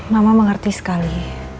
mama mengerti sekali